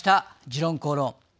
「時論公論」